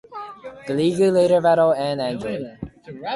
The League later battle the android.